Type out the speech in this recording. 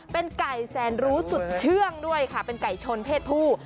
เป็นไก่แสนรู้สุดเชื่องด้วยค่ะเป็นไก่ชนเพศผู้